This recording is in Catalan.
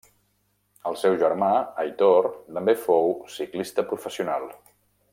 El seu germà Aitor també fou ciclista professional.